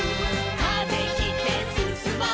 「風切ってすすもう」